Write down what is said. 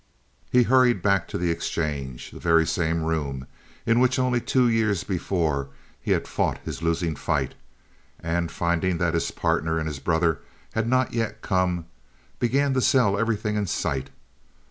He hurried back to the exchange, the very same room in which only two years before he had fought his losing fight, and, finding that his partner and his brother had not yet come, began to sell everything in sight.